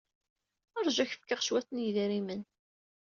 Ṛju ad ak-fkeɣ cwiṭ n yidrimen.